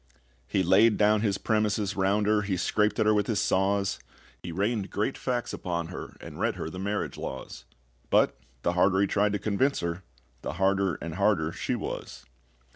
He laid down his premises round her, He scraped at her with his saws; He rained great facts upon her, And read her the marriage laws; But the harder he tried to convince her, the harder and harder she was.